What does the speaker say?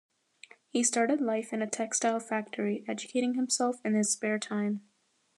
He started life in a textile factory, educating himself in his spare time.